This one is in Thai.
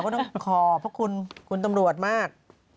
แต่ก็ต้องขอบพวกคุณคุณตำรวจมาก